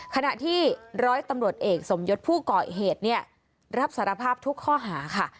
ขณะที่ร้อยตำรวจเอกสมยศผู้ก่อเหตุเนี่ยรับสารภาพทุกข้อหาค่ะ